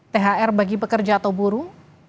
thr bagi pekerja atau buruh